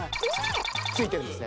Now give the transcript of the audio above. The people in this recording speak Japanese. ○○ついてるんです